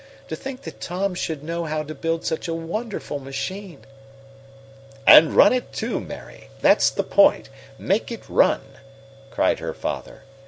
To think that Tom should know how to build such a wonderful machine!" "And run it, too, Mary! That's the point! Make it run!" cried her father.